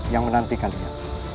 yang menantikan dia